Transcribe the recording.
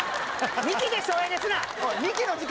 ミキで省エネすな！